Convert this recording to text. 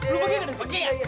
lo pergi gak ada sini